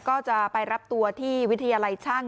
ก็จะไปรับตัวที่วิทยาลัยช่าง